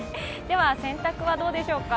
洗濯はどうでしょうか。